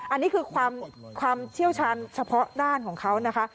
อันนี้คือความเชี่ยวชาญเฉพาะด้านของเขานะคะ